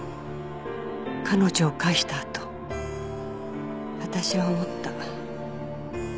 「彼女を帰した後私は思った」